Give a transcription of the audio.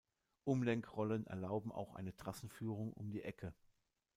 Umlenkrollen erlauben auch eine Trassenführung um die Ecke.